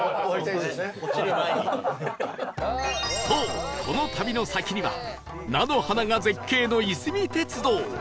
そうこの旅の先には菜の花が絶景のいすみ鉄道